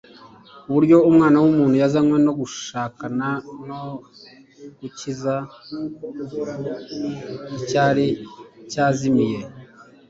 Kuko Umwana w'umuutu yazanywe no gushaka no gukiza icyari cyazimiye. »